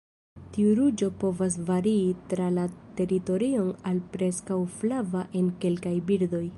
Tiu ruĝo povas varii tra la teritorio al preskaŭ flava en kelkaj birdoj.